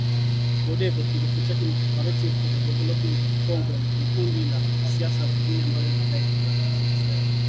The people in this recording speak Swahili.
CODECO kirefu chake ni Cooperative for the Development of the Congo ni kundi la kisiasa na kidini ambalo linadai linawakilisha maslahi ya kabila la walendu